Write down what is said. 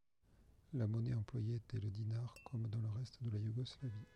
La monnaie employée était le dinar comme dans le reste de la Yougoslavie.